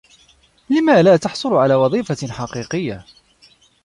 لم لا تحصل على وظيفة حقيقية؟